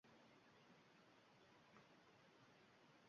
Bugun sovuq